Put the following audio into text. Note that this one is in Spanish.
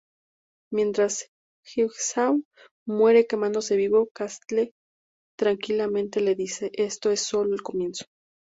Mientras Jigsaw muere quemándose vivo, Castle tranquilamente le dice: "Esto es sólo el comienzo.